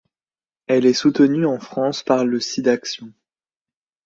Elle est soutenue en France par le Sidaction.